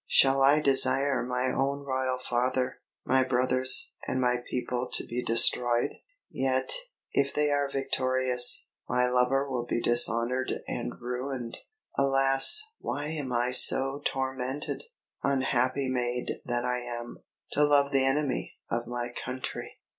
"Shall I desire my own royal father, my brothers, and my people to be destroyed? Yet, if they are victorious, my lover will be dishonoured and ruined! Alas, why am I so tormented! Unhappy maid that I am, to love the enemy of my country!"